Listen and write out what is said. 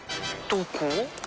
どこ？